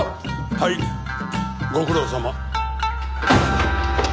はいご苦労さま。